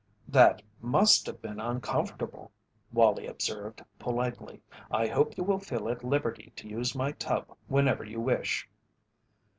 "That must have been uncomfortable," Wallie observed, politely. "I hope you will feel at liberty to use my tub whenever you wish."